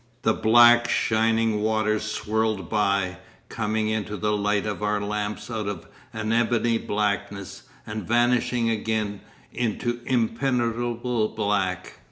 The black, shining waters swirled by, coming into the light of our lamps out of an ebony blackness and vanishing again into impenetrable black.